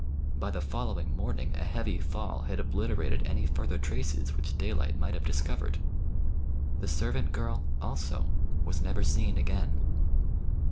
By the following morning a heavy fall had obli terated any further traces which day light might have discovered. The servant girl also was never seen again.